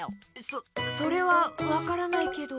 そそれはわからないけど。